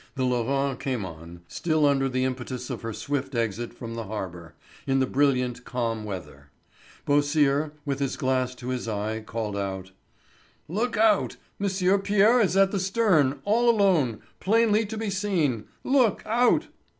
The Lorraine came on, still under the impetus of her swift exit from the harbour, in the brilliant, calm weather. Beausire, with his glass to his eye, called out: "Look out! M. Pierre is at the stern, all alone, plainly to be seen! Look out!"